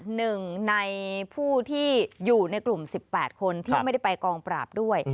หนึ่งในผู้ที่อยู่ในกลุ่ม๑๘คนที่ไม่ได้ไปกองปราบด้วย